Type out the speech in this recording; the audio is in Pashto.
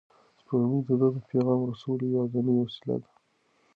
سپوږمۍ د ده د پیغام رسولو یوازینۍ وسیله ده.